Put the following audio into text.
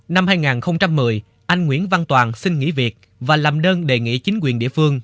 năm hai nghìn một mươi anh nguyễn văn toàn xin nghỉ việc và làm đơn đề nghị chính quyền địa phương